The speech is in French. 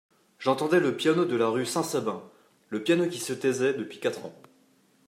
J'entendais le piano de la rue Saint-Sabin, le piano qui se taisait depuis quatre ans.